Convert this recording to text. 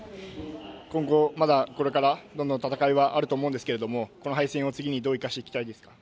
今後、まだこれからどんどん戦いはあると思うんですけどこの敗戦を次にどう生かしていきたいですか？